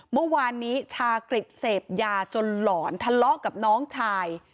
เมื่อวานนี้ชากฤษเสพยาจนหลอนทะเลาะกับน้องชาย